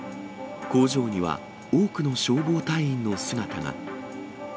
工場には多くの消防隊員の姿が。